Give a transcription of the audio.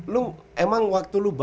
lo emang waktu lo berada di sana